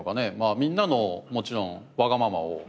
みんなのもちろんわがままをまとめる。